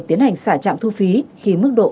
tiến hành xảy trạm thu phí khi mức độ